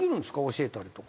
教えたりとか。